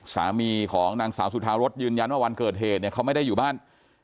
สามีของนางสาวสุธารสยืนยันว่าวันเกิดเหตุเนี่ยเขาไม่ได้อยู่บ้าน